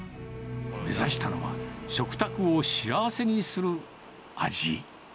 目指したのは、食卓を幸せにする味。